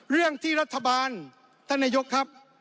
เรื่องที่รัฐบาลท่านนายกครับ